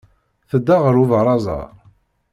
Tedda ɣer ubaraz-a?